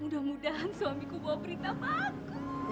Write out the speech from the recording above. mudah mudahan suamiku bawa berita bagus